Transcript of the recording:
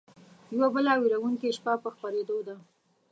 يوه بله وېرونکې شپه په خپرېدو ده